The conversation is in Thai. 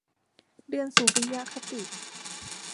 เดือนสุริยคติ